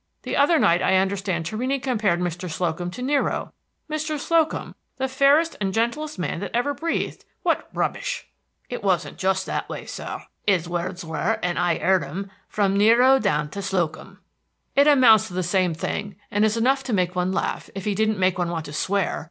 The other night, I understand, Torrini compared Mr. Slocum to Nero, Mr. Slocum, the fairest and gentlest man that ever breathed! What rubbish!" "It wasn't just that way, sir. His words was, and I 'eard him, 'from Nero down to Slocum.'" "It amounts to the same thing, and is enough to make one laugh, if he didn't make one want to swear.